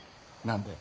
何で？